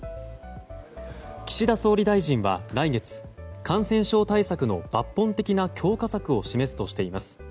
岸田総理大臣は来月感染症対策の抜本的な強化策を示すとしています。